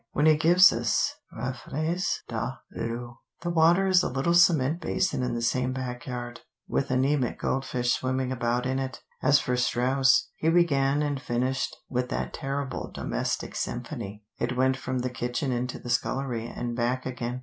When he gives us 'reflets dans l'eau' the water is a little cement basin in the same backyard, with anemic goldfish swimming about in it. As for Strauss, he began and finished with that terrible 'domestic symphony.' It went from the kitchen into the scullery, and back again.